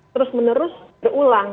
terus menerus berulang